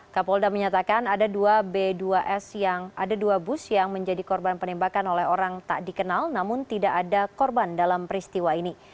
kapolda menyatakan ada dua bus yang menjadi korban penembakan oleh orang tak dikenal namun tidak ada korban dalam peristiwa ini